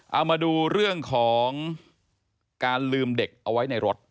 เอามาดูเรื่องของการลืมเด็กเอาไว้ในรถ